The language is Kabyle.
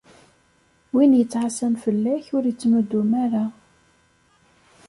Win yettɛassan fell-ak, ur ittnudum ara.